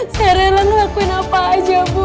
saya rela ngelakuin apa aja bu